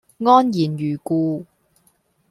安然如故